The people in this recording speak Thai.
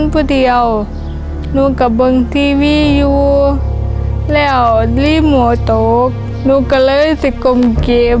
พอเดี๋ยวหนูกระบวงทีวีอยู่แล้วรีบหมอตกหนูก็เลยสิกกลมเก็บ